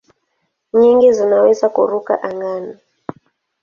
Nyingi zinaweza kuruka angani.